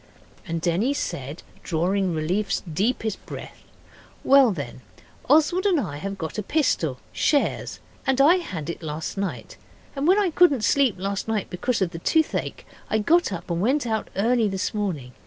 And Denny said, drawing relief's deepest breath, 'Well then, Oswald and I have got a pistol shares and I had it last night. And when I couldn't sleep last night because of the toothache I got up and went out early this morning.